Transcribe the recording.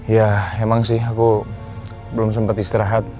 ya emang sih aku belum sempat istirahat